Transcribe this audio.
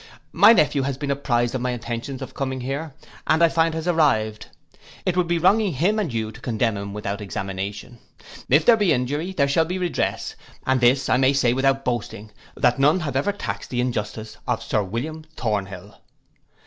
My nephew has been apprized of my intentions of coming here, and I find is arrived; it would be wronging him and you to condemn him without examination: if there be injury, there shall be redress; and this I may say without boasting, that none have ever taxed the injustice of Sir William Thornhill.